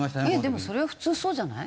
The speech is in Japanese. でもそれは普通そうじゃない？